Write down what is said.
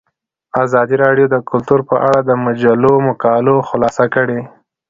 ازادي راډیو د کلتور په اړه د مجلو مقالو خلاصه کړې.